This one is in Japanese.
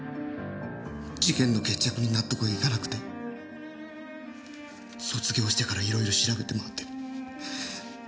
事件の決着に納得がいかなくて卒業してからいろいろ調べて回って。